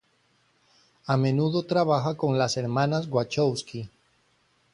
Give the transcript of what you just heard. A menudo trabaja con las Hermanas Wachowski.